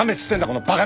このバ亀！